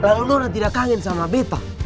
lalu nona tidak kangen sama betta